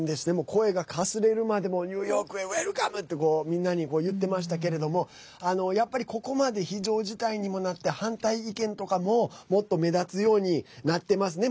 声が、かすれるまでニューヨークへウェルカム！ってみんなに言ってましたけれどもやっぱり、ここまで非常事態にもなって反対意見とかももっと目立つようになってますね。